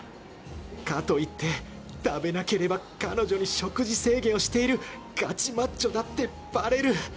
かといって食べなければ彼女に食事制限をしているガチマッチョだってバレる。